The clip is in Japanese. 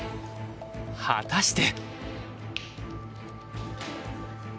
果たして。